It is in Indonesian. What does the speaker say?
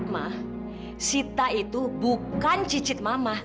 mak sita itu bukan cicit mama